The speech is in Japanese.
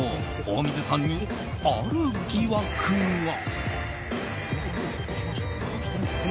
大水さんにある疑惑が。